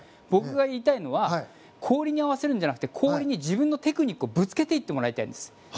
僕が言いたいのは氷に合わせるんじゃなくて氷に自分のテクニックをぶつけていってもらいたいです。